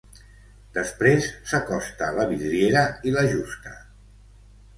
Després s'acosta a la vidriera i l'ajusta.